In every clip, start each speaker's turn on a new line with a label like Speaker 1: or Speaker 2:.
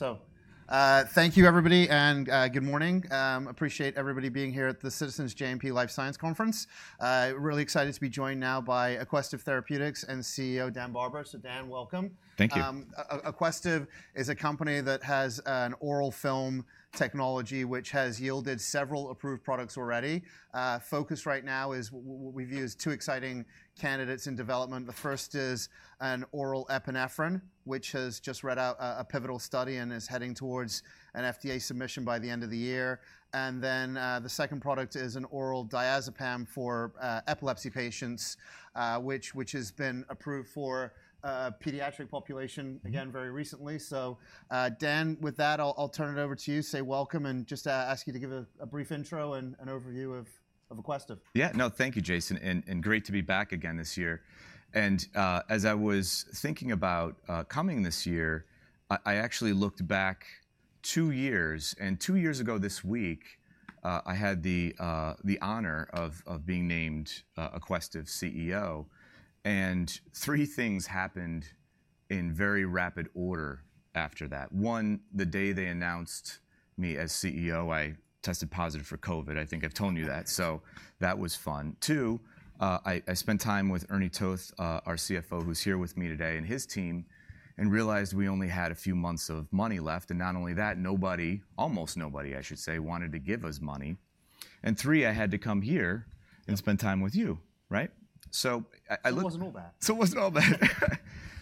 Speaker 1: Okay, so thank you, everybody, and good morning. Appreciate everybody being here at the Citizens JMP Life Sciences Conference. Really excited to be joined now by Aquestive Therapeutics and CEO Dan Barber. So Dan, welcome.
Speaker 2: Thank you.
Speaker 1: Aquestive is a company that has an oral film technology which has yielded several approved products already. Focus right now is what we view as two exciting candidates in development. The first is an oral epinephrine, which has just read out a pivotal study and is heading towards an FDA submission by the end of the year. And then the second product is an oral diazepam for epilepsy patients, which has been approved for a pediatric population, again, very recently. So Dan, with that, I'll turn it over to you. Say welcome and just ask you to give a brief intro and overview of Aquestive.
Speaker 2: Yeah, no, thank you, Jason. Great to be back again this year. As I was thinking about coming this year, I actually looked back two years. Two years ago this week, I had the honor of being named Aquestive CEO. Three things happened in very rapid order after that. One, the day they announced me as CEO, I tested positive for COVID. I think I've told you that. So that was fun. Two, I spent time with Ernie Toth, our CFO, who's here with me today and his team, and realized we only had a few months of money left. Not only that, nobody almost nobody, I should say, wanted to give us money. Three, I had to come here and spend time with you, right? So I looked.
Speaker 1: It wasn't all bad. So it wasn't all bad.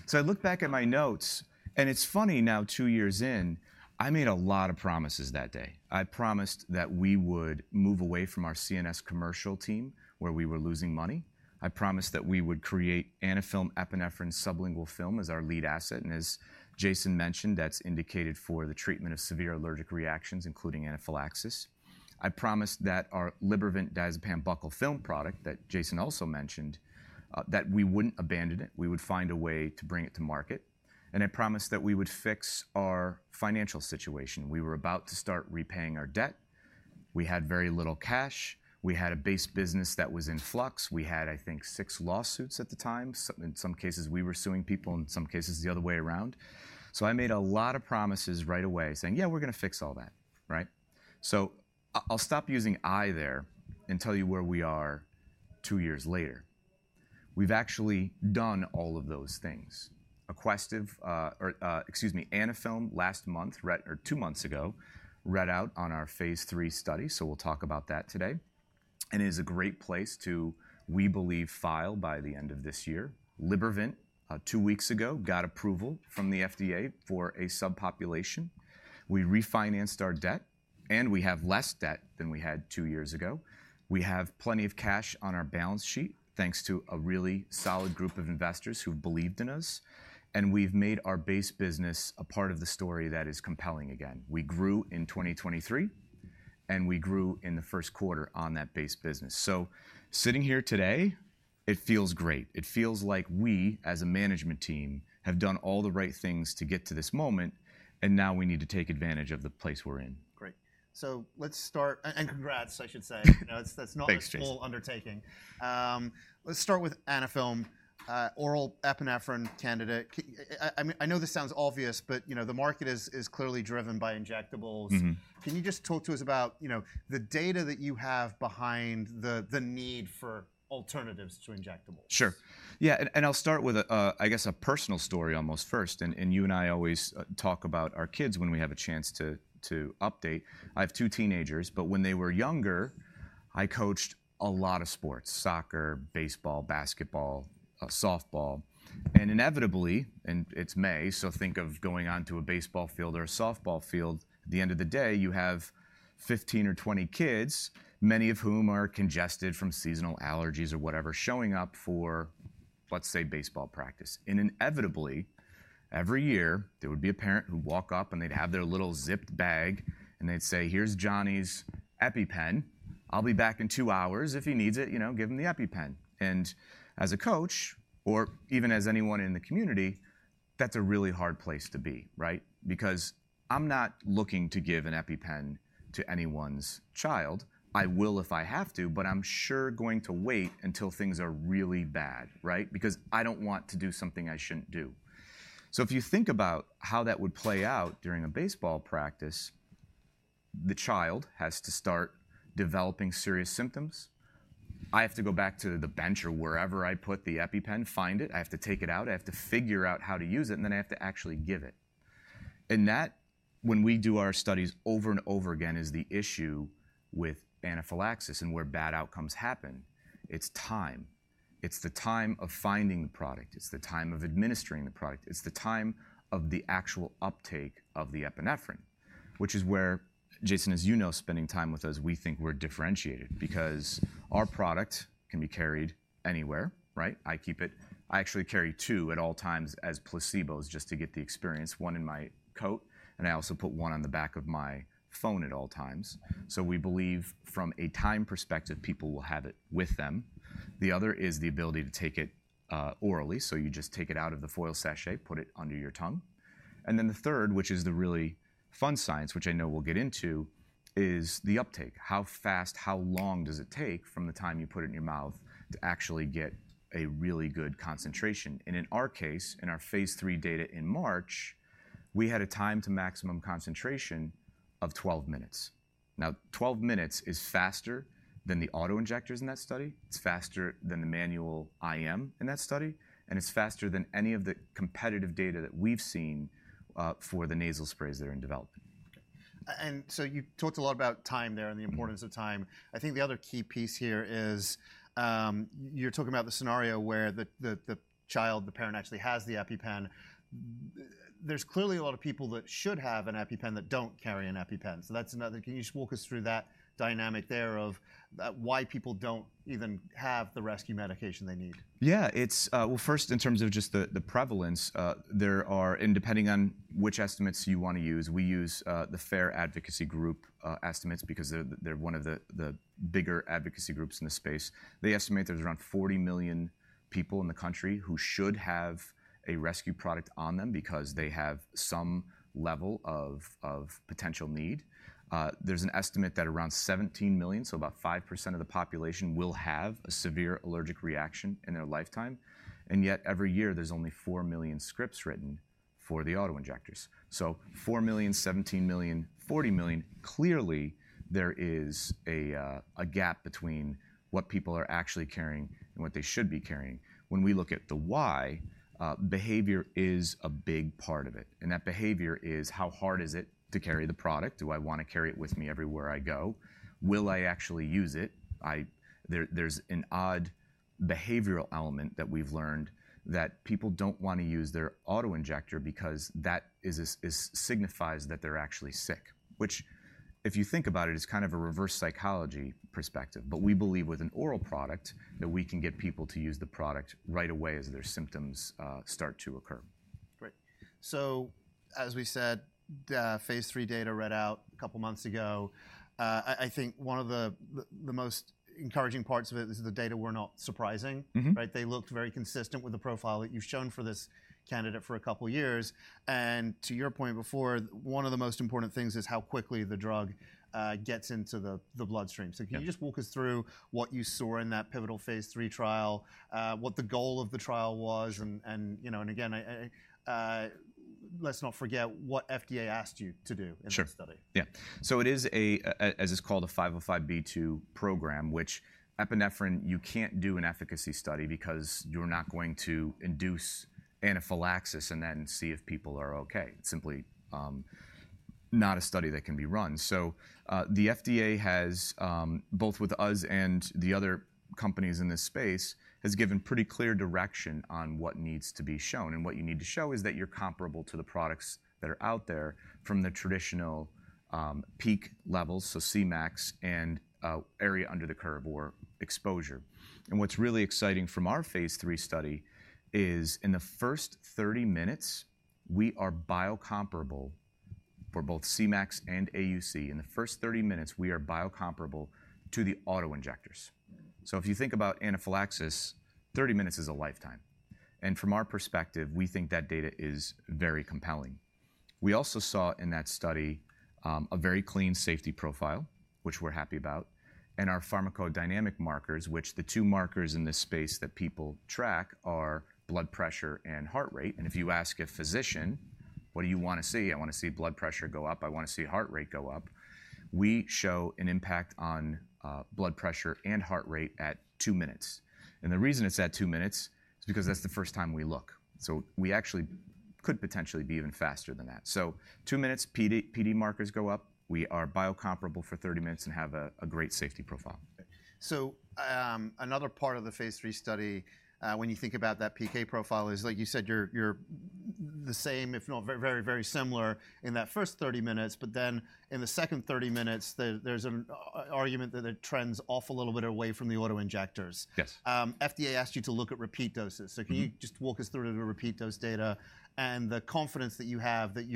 Speaker 2: So I looked back at my notes. And it's funny now, two years in, I made a lot of promises that day. I promised that we would move away from our CNS commercial team, where we were losing money. I promised that we would create Anaphylm epinephrine sublingual film as our lead asset. And as Jason mentioned, that's indicated for the treatment of severe allergic reactions, including anaphylaxis. I promised that our Libervant diazepam buccal film product that Jason also mentioned that we wouldn't abandon it. We would find a way to bring it to market. And I promised that we would fix our financial situation. We were about to start repaying our debt. We had very little cash. We had a base business that was in flux. We had, I think, six lawsuits at the time. In some cases, we were suing people. In some cases, the other way around. So, I made a lot of promises right away, saying, yeah, we're going to fix all that, right? So, I'll stop using I there and tell you where we are two years later. We've actually done all of those things. Aquestive, excuse me, Anaphylm last month or two months ago, read out on our phase III study. So, we'll talk about that today. And it is a great place to, we believe, file by the end of this year. Libervant, two weeks ago, got approval from the FDA for a subpopulation. We refinanced our debt. And we have less debt than we had two years ago. We have plenty of cash on our balance sheet, thanks to a really solid group of investors who've believed in us. And we've made our base business a part of the story that is compelling again. We grew in 2023. We grew in the first quarter on that base business. Sitting here today, it feels great. It feels like we, as a management team, have done all the right things to get to this moment. Now we need to take advantage of the place we're in.
Speaker 1: Great. So let's start and congrats, I should say. That's not a full undertaking. Let's start with Anaphylm, oral epinephrine candidate. I know this sounds obvious, but the market is clearly driven by injectables. Can you just talk to us about the data that you have behind the need for alternatives to injectables?
Speaker 2: Sure. Yeah, and I'll start with, I guess, a personal story almost first. And you and I always talk about our kids when we have a chance to update. I have two teenagers. But when they were younger, I coached a lot of sports: soccer, baseball, basketball, softball. And inevitably, and it's May, so think of going onto a baseball field or a softball field. At the end of the day, you have 15 or 20 kids, many of whom are congested from seasonal allergies or whatever, showing up for, let's say, baseball practice. And inevitably, every year, there would be a parent who'd walk up, and they'd have their little zipped bag. And they'd say, here's Johnny's EpiPen. I'll be back in two hours. If he needs it, give him the EpiPen. As a coach, or even as anyone in the community, that's a really hard place to be, right? Because I'm not looking to give an EpiPen to anyone's child. I will if I have to. But I'm sure going to wait until things are really bad, right? Because I don't want to do something I shouldn't do. So if you think about how that would play out during a baseball practice, the child has to start developing serious symptoms. I have to go back to the bench or wherever I put the EpiPen, find it. I have to take it out. I have to figure out how to use it. And then I have to actually give it. And that, when we do our studies over and over again, is the issue with anaphylaxis and where bad outcomes happen. It's time. It's the time of finding the product. It's the time of administering the product. It's the time of the actual uptake of the epinephrine, which is where, Jason, as you know, spending time with us, we think we're differentiated. Because our product can be carried anywhere, right? I keep it. I actually carry two at all times as placebos just to get the experience: one in my coat. And I also put one on the back of my phone at all times. So we believe, from a time perspective, people will have it with them. The other is the ability to take it orally. So you just take it out of the foil sachet, put it under your tongue. And then the third, which is the really fun science, which I know we'll get into, is the uptake. How fast, how long does it take from the time you put it in your mouth to actually get a really good concentration? In our case, in our phase III data in March, we had a time to maximum concentration of 12 minutes. Now, 12 minutes is faster than the autoinjectors in that study. It's faster than the manual IM in that study. And it's faster than any of the competitive data that we've seen for the nasal sprays that are in development.
Speaker 1: And so you talked a lot about time there and the importance of time. I think the other key piece here is you're talking about the scenario where the child, the parent, actually has the EpiPen. There's clearly a lot of people that should have an EpiPen that don't carry an EpiPen. So can you just walk us through that dynamic there of why people don't even have the rescue medication they need?
Speaker 2: Yeah, well, first, in terms of just the prevalence, there are and depending on which estimates you want to use, we use the FARE advocacy group estimates, because they're one of the bigger advocacy groups in the space. They estimate there's around 40 million people in the country who should have a rescue product on them because they have some level of potential need. There's an estimate that around 17 million, so about 5% of the population, will have a severe allergic reaction in their lifetime. And yet, every year, there's only 4 million scripts written for the autoinjectors. So 4 million, 17 million, 40 million, clearly there is a gap between what people are actually carrying and what they should be carrying. When we look at the why, behavior is a big part of it. And that behavior is, how hard is it to carry the product? Do I want to carry it with me everywhere I go? Will I actually use it? There's an odd behavioral element that we've learned that people don't want to use their autoinjector because that signifies that they're actually sick, which, if you think about it, is kind of a reverse psychology perspective. But we believe, with an oral product, that we can get people to use the product right away as their symptoms start to occur.
Speaker 1: Great. So as we said, phase III data read out a couple of months ago. I think one of the most encouraging parts of it is the data were not surprising, right? They looked very consistent with the profile that you've shown for this candidate for a couple of years. And to your point before, one of the most important things is how quickly the drug gets into the bloodstream. So can you just walk us through what you saw in that pivotal phase III trial, what the goal of the trial was? And again, let's not forget what FDA asked you to do in this study.
Speaker 2: Sure. Yeah, so it is a, as it's called, a 505(b)(2) program, which epinephrine, you can't do an efficacy study because you're not going to induce anaphylaxis and then see if people are okay. It's simply not a study that can be run. So the FDA has, both with us and the other companies in this space, given pretty clear direction on what needs to be shown. And what you need to show is that you're comparable to the products that are out there from the traditional peak levels, so Cmax and area under the curve or exposure. And what's really exciting from our phase III study is, in the first 30 minutes, we are bio-comparable for both Cmax and AUC. In the first 30 minutes, we are bio-comparable to the autoinjectors. So if you think about anaphylaxis, 30 minutes is a lifetime. From our perspective, we think that data is very compelling. We also saw in that study a very clean safety profile, which we're happy about, and our pharmacodynamic markers, which the two markers in this space that people track are blood pressure and heart rate. If you ask a physician, what do you want to see? I want to see blood pressure go up. I want to see heart rate go up. We show an impact on blood pressure and heart rate at two minutes. The reason it's at two minutes is because that's the first time we look. So we actually could potentially be even faster than that. So two minutes, PD markers go up. We are bio-comparable for 30 minutes and have a great safety profile.
Speaker 1: So another part of the phase three study, when you think about that PK profile, is, like you said, you're the same, if not very, very similar in that first 30 minutes. But then in the second 30 minutes, there's an argument that the trend's off a little bit away from the autoinjectors.
Speaker 2: Yes.
Speaker 1: FDA asked you to look at repeat doses. So can you just walk us through the repeat dose data and the confidence that you have that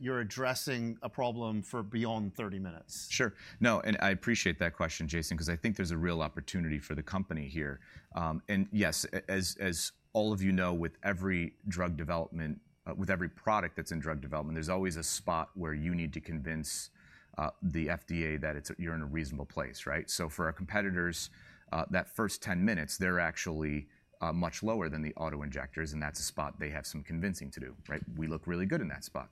Speaker 1: you're addressing a problem for beyond 30 minutes?
Speaker 2: Sure. No, and I appreciate that question, Jason, because I think there's a real opportunity for the company here. And yes, as all of you know, with every drug development, with every product that's in drug development, there's always a spot where you need to convince the FDA that you're in a reasonable place, right? So for our competitors, that first 10 minutes, they're actually much lower than the autoinjectors. And that's a spot they have some convincing to do, right? We look really good in that spot.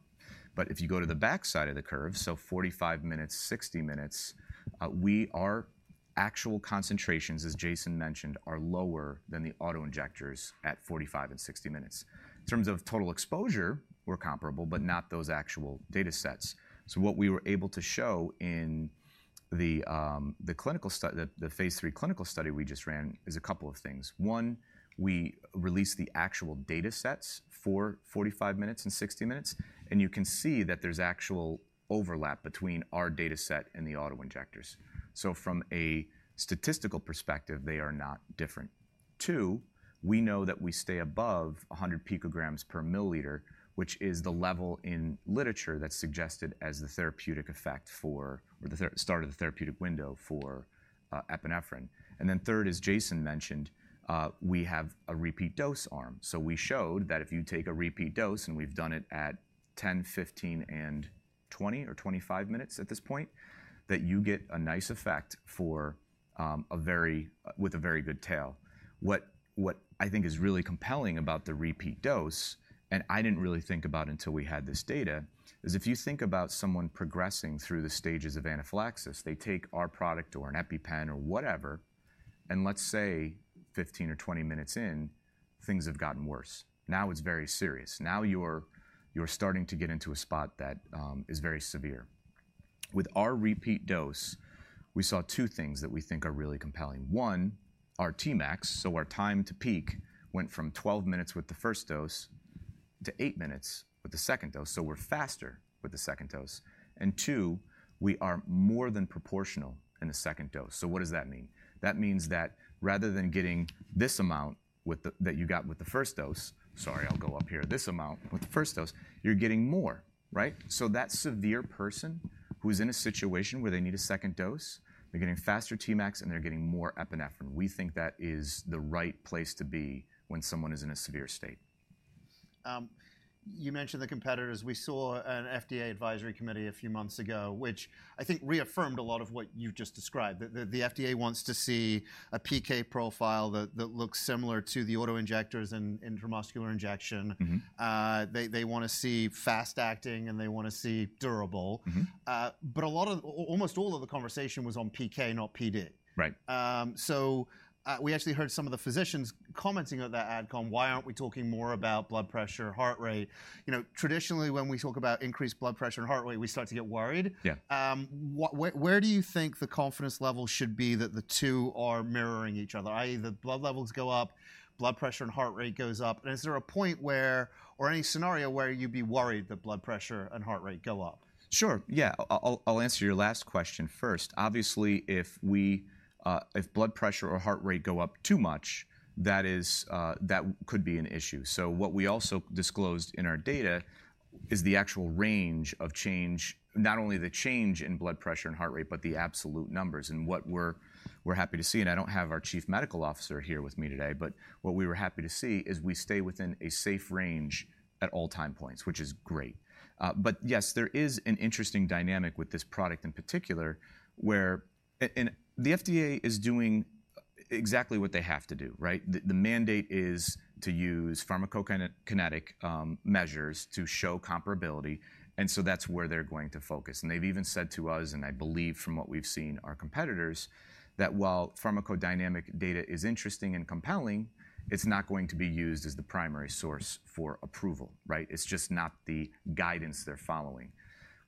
Speaker 2: But if you go to the backside of the curve, so 45 minutes, 60 minutes, we are actual concentrations, as Jason mentioned, are lower than the autoinjectors at 45 and 60 minutes. In terms of total exposure, we're comparable, but not those actual data sets. So what we were able to show in the phase III clinical study we just ran is a couple of things. One, we released the actual data sets for 45 minutes and 60 minutes. And you can see that there's actual overlap between our data set and the autoinjectors. So, from a statistical perspective, they are not different. Two, we know that we stay above 100 pg/mL, which is the level in literature that's suggested as the therapeutic effect for or the start of the therapeutic window for epinephrine. And then third, as Jason mentioned, we have a repeat dose arm. So we showed that if you take a repeat dose, and we've done it at 10, 15, and 20 or 25 minutes at this point, that you get a nice effect with a very good tail. What I think is really compelling about the repeat dose, and I didn't really think about until we had this data, is if you think about someone progressing through the stages of anaphylaxis, they take our product or an EpiPen or whatever, and let's say 15 or 20 minutes in, things have gotten worse. Now it's very serious. Now you're starting to get into a spot that is very severe. With our repeat dose, we saw two things that we think are really compelling. One, our Tmax, so our time to peak, went from 12 minutes with the first dose to 8 minutes with the second dose. So we're faster with the second dose. And two, we are more than proportional in the second dose. So what does that mean? That means that rather than getting this amount that you got with the first dose sorry, I'll go up here, this amount with the first dose, you're getting more, right? So that severe person who's in a situation where they need a second dose, they're getting faster Tmax, and they're getting more epinephrine. We think that is the right place to be when someone is in a severe state.
Speaker 1: You mentioned the competitors. We saw an FDA advisory committee a few months ago, which I think reaffirmed a lot of what you've just described, that the FDA wants to see a PK profile that looks similar to the autoinjectors and intramuscular injection. They want to see fast acting, and they want to see durable. But almost all of the conversation was on PK, not PD.
Speaker 2: Right.
Speaker 1: So we actually heard some of the physicians commenting at that AdCom, "Come on, why aren't we talking more about blood pressure, heart rate?" Traditionally, when we talk about increased blood pressure and heart rate, we start to get worried.
Speaker 2: Yeah.
Speaker 1: Where do you think the confidence level should be that the two are mirroring each other, i.e., the blood levels go up, blood pressure and heart rate goes up? And is there a point or any scenario where you'd be worried that blood pressure and heart rate go up?
Speaker 2: Sure, yeah. I'll answer your last question first. Obviously, if blood pressure or heart rate go up too much, that could be an issue. So what we also disclosed in our data is the actual range of change, not only the change in blood pressure and heart rate, but the absolute numbers and what we're happy to see. And I don't have our Chief Medical Officer here with me today. But what we were happy to see is we stay within a safe range at all time points, which is great. But yes, there is an interesting dynamic with this product in particular, where the FDA is doing exactly what they have to do, right? The mandate is to use pharmacokinetic measures to show comparability. And so that's where they're going to focus. And they've even said to us, and I believe, from what we've seen, our competitors, that while pharmacodynamic data is interesting and compelling, it's not going to be used as the primary source for approval, right? It's just not the guidance they're following.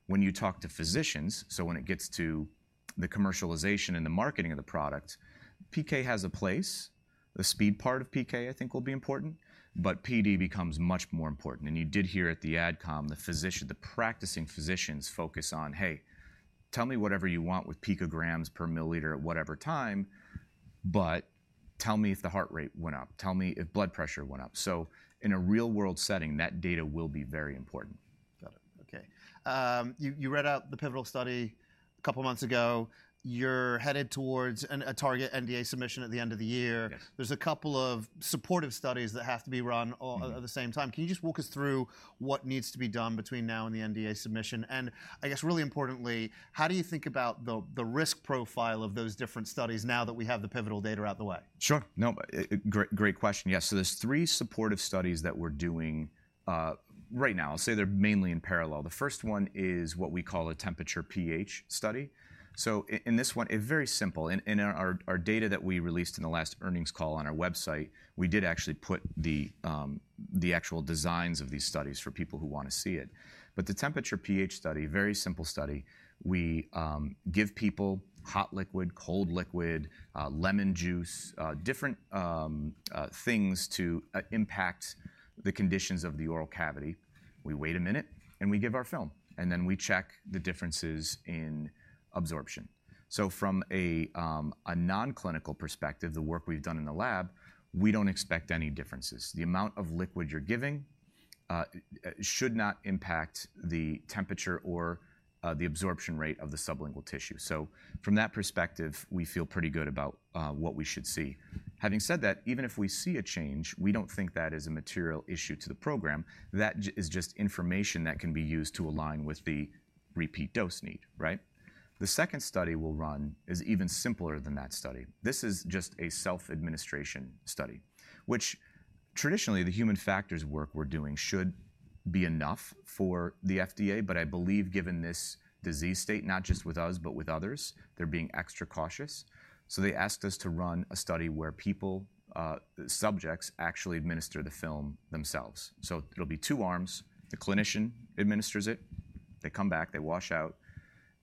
Speaker 2: When you talk to physicians, so when it gets to the commercialization and the marketing of the product, PK has a place. The speed part of PK, I think, will be important. But PD becomes much more important. And you did hear at the AdCom, "the practicing physicians focus on, hey, tell me whatever you want with pg/mL at whatever time, but tell me if the heart rate went up. Tell me if blood pressure went up." So in a real-world setting, that data will be very important.
Speaker 1: Got it, okay. You read out the pivotal study a couple of months ago. You're headed towards a target NDA submission at the end of the year.
Speaker 2: Yes.
Speaker 1: There's a couple of supportive studies that have to be run at the same time. Can you just walk us through what needs to be done between now and the NDA submission? And I guess, really importantly, how do you think about the risk profile of those different studies now that we have the pivotal data out of the way?
Speaker 2: Sure. No, great question. Yes, so there's three supportive studies that we're doing right now. I'll say they're mainly in parallel. The first one is what we call a temperature pH study. So in this one, it's very simple. In our data that we released in the last earnings call on our website, we did actually put the actual designs of these studies for people who want to see it. But the temperature pH study, very simple study, we give people hot liquid, cold liquid, lemon juice, different things to impact the conditions of the oral cavity. We wait a minute, and we give our film. And then we check the differences in absorption. So from a non-clinical perspective, the work we've done in the lab, we don't expect any differences. The amount of liquid you're giving should not impact the temperature or the absorption rate of the sublingual tissue. So from that perspective, we feel pretty good about what we should see. Having said that, even if we see a change, we don't think that is a material issue to the program. That is just information that can be used to align with the repeat dose need, right? The second study we'll run is even simpler than that study. This is just a self-administration study, which traditionally, the human factors work we're doing should be enough for the FDA. But I believe, given this disease state, not just with us, but with others, they're being extra cautious. So they asked us to run a study where subjects actually administer the film themselves. So it'll be two arms. The clinician administers it. They come back. They wash out.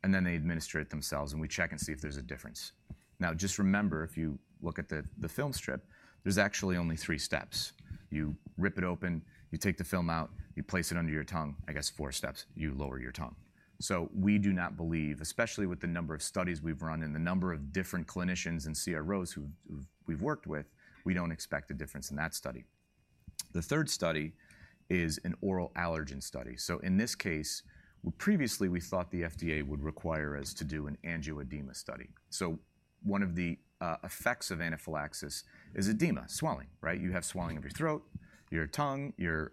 Speaker 2: And then they administer it themselves. And we check and see if there's a difference. Now, just remember, if you look at the film strip, there's actually only three steps. You rip it open. You take the film out. You place it under your tongue. I guess four steps. You lower your tongue. So we do not believe, especially with the number of studies we've run and the number of different clinicians and CROs who we've worked with, we don't expect a difference in that study. The third study is an oral allergen study. So in this case, previously, we thought the FDA would require us to do an angioedema study. So one of the effects of anaphylaxis is edema, swelling, right? You have swelling of your throat, your tongue, your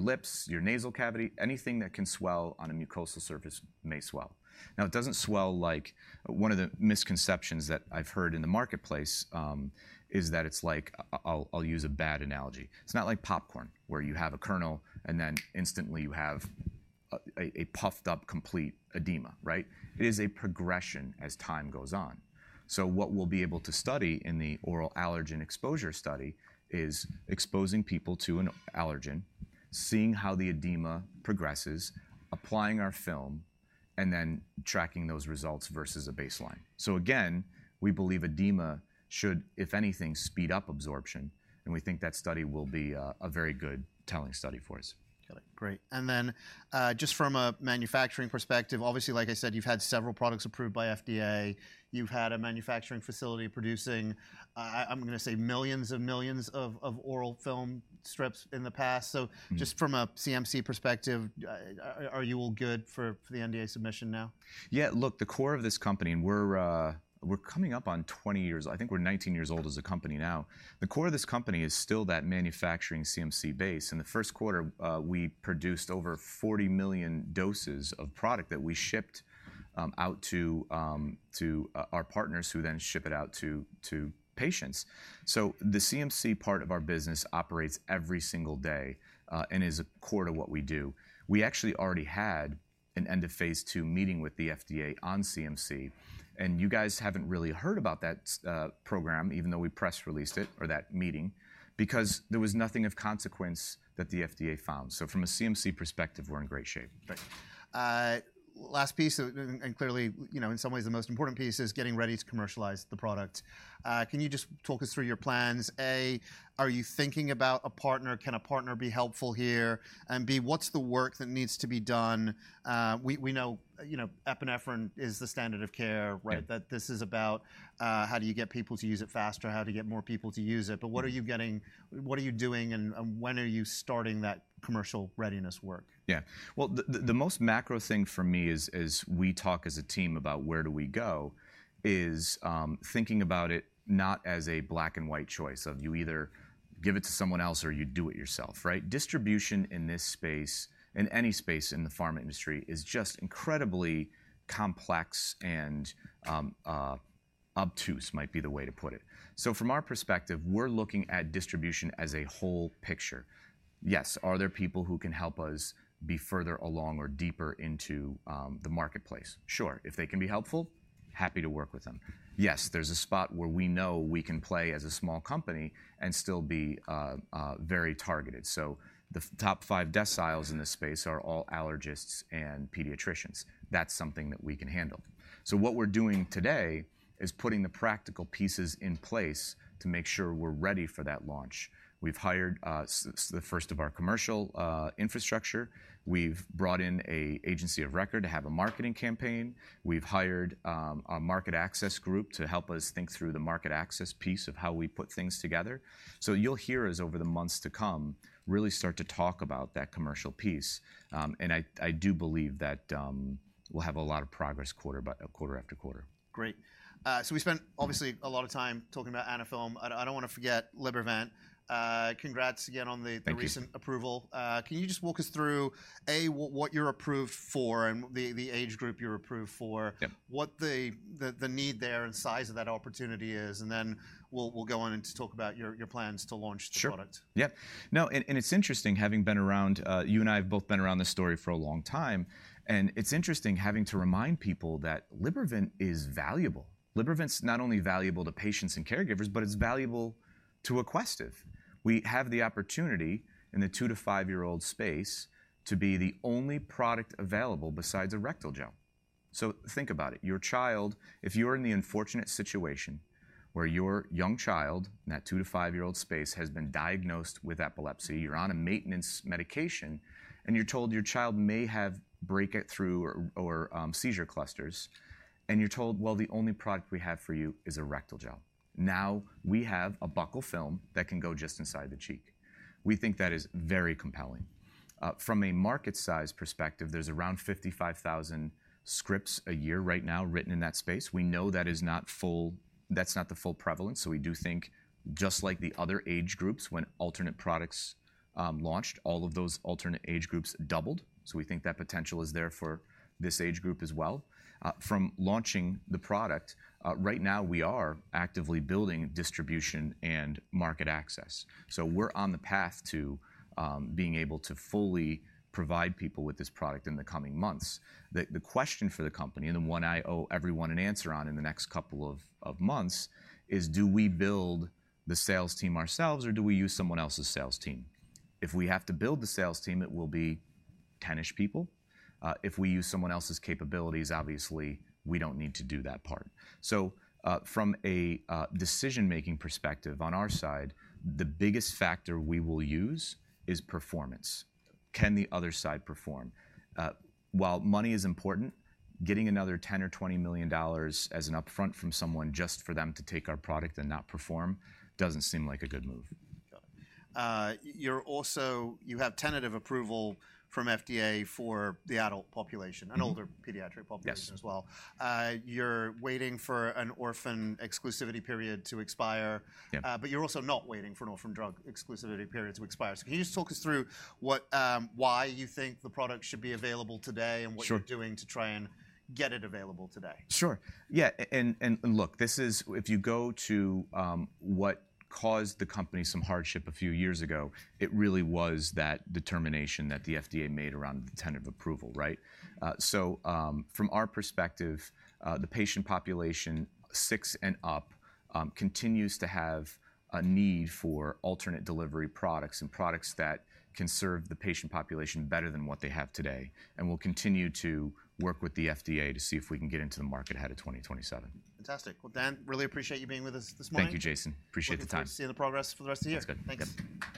Speaker 2: lips, your nasal cavity. Anything that can swell on a mucosal surface may swell. Now, it doesn't swell like one of the misconceptions that I've heard in the marketplace is that it's like I'll use a bad analogy. It's not like popcorn, where you have a kernel, and then instantly, you have a puffed up, complete edema, right? It is a progression as time goes on. So what we'll be able to study in the oral allergen exposure study is exposing people to an allergen, seeing how the edema progresses, applying our film, and then tracking those results versus a baseline. So again, we believe edema should, if anything, speed up absorption. And we think that study will be a very good telling study for us.
Speaker 1: Got it, great. Then just from a manufacturing perspective, obviously, like I said, you've had several products approved by FDA. You've had a manufacturing facility producing, I'm going to say, millions and millions of oral film strips in the past. So just from a CMC perspective, are you all good for the NDA submission now?
Speaker 2: Yeah, look, the core of this company, and we're coming up on 20 years. I think we're 19 years old as a company now. The core of this company is still that manufacturing CMC base. In the first quarter, we produced over 40 million doses of product that we shipped out to our partners, who then ship it out to patients. So the CMC part of our business operates every single day and is a core to what we do. We actually already had an end of phase II meeting with the FDA on CMC. And you guys haven't really heard about that program, even though we press-released it or that meeting, because there was nothing of consequence that the FDA found. So from a CMC perspective, we're in great shape.
Speaker 1: Right. Last piece, and clearly, in some ways, the most important piece is getting ready to commercialize the product. Can you just talk us through your plans? A, are you thinking about a partner? Can a partner be helpful here? And B, what's the work that needs to be done? We know epinephrine is the standard of care, right? That this is about how do you get people to use it faster, how to get more people to use it. But what are you getting? What are you doing? And when are you starting that commercial readiness work?
Speaker 2: Yeah, well, the most macro thing for me is we talk as a team about where do we go is thinking about it not as a black and white choice of you either give it to someone else or you do it yourself, right? Distribution in this space, in any space in the pharma industry, is just incredibly complex and obtuse, might be the way to put it. So from our perspective, we're looking at distribution as a whole picture. Yes, are there people who can help us be further along or deeper into the marketplace? Sure, if they can be helpful, happy to work with them. Yes, there's a spot where we know we can play as a small company and still be very targeted. So the top five deciles in this space are all allergists and pediatricians. That's something that we can handle. So what we're doing today is putting the practical pieces in place to make sure we're ready for that launch. We've hired the first of our commercial infrastructure. We've brought in an agency of record to have a marketing campaign. We've hired a market access group to help us think through the market access piece of how we put things together. So you'll hear us, over the months to come, really start to talk about that commercial piece. And I do believe that we'll have a lot of progress quarter after quarter.
Speaker 1: Great. So we spent, obviously, a lot of time talking about Anaphylm. I don't want to forget Libervant. Congrats again on the recent approval.
Speaker 2: Thank you.
Speaker 1: Can you just walk us through, A, what you're approved for and the age group you're approved for, what the need there and size of that opportunity is? And then we'll go on into talk about your plans to launch the product.
Speaker 2: Sure, yeah. No, and it's interesting, having been around you and I have both been around this story for a long time. And it's interesting having to remind people that Libervant is valuable. Libervant's not only valuable to patients and caregivers, but it's valuable to Aquestive. We have the opportunity, in the two-five-year-old space, to be the only product available besides a rectal gel. So, think about it. Your child, if you're in the unfortunate situation where your young child in that two- to 5-year-old space has been diagnosed with epilepsy, you're on a maintenance medication, and you're told your child may have breakthrough or seizure clusters, and you're told, well, the only product we have for you is a rectal gel. Now, we have a buccal film that can go just inside the cheek. We think that is very compelling. From a market-size perspective, there's around 55,000 scripts a year right now written in that space. We know that is not full. That's not the full prevalence. So we do think, just like the other age groups, when alternate products launched, all of those alternate age groups doubled. So we think that potential is there for this age group as well. From launching the product, right now, we are actively building distribution and market access. So we're on the path to being able to fully provide people with this product in the coming months. The question for the company, and the one I owe everyone an answer on in the next couple of months, is do we build the sales team ourselves, or do we use someone else's sales team? If we have to build the sales team, it will be 10-ish people. If we use someone else's capabilities, obviously, we don't need to do that part. So from a decision-making perspective, on our side, the biggest factor we will use is performance. Can the other side perform? While money is important, getting another $10 or $20 million as an upfront from someone just for them to take our product and not perform doesn't seem like a good move.
Speaker 1: Got it. You have tentative approval from FDA for the adult population, an older pediatric population as well.
Speaker 2: Yes.
Speaker 1: You're waiting for an orphan exclusivity period to expire.
Speaker 2: Yeah.
Speaker 1: But you're also not waiting for an orphan drug exclusivity period to expire. So can you just talk us through why you think the product should be available today and what you're doing to try and get it available today?
Speaker 2: Sure, yeah. And look, this is if you go to what caused the company some hardship a few years ago, it really was that determination that the FDA made around the tentative approval, right? So from our perspective, the patient population, six and up, continues to have a need for alternate delivery products and products that can serve the patient population better than what they have today and will continue to work with the FDA to see if we can get into the market ahead of 2027.
Speaker 1: Fantastic. Well, Dan, really appreciate you being with us this morning.
Speaker 2: Thank you, Jason. Appreciate the time.
Speaker 1: Looking to see the progress for the rest of the year.
Speaker 2: That's good.
Speaker 1: Thanks.